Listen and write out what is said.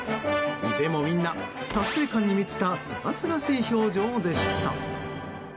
でもみんな、達成感に満ちたすがすがしい表情でした。